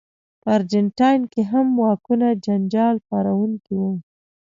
په ارجنټاین کې هم واکونه جنجال پاروونکي وو.